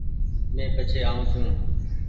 مينٚ پڇي آئو ڇوٚنٚ